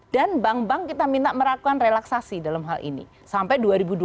dan bank bank kita minta merakukan relaksasi dalam hal ini sampai dua ribu dua puluh tiga